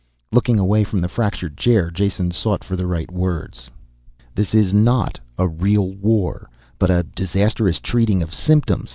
Looking away from the fractured chair, Jason sought for the right words. "This is not a real war, but a disastrous treating of symptoms.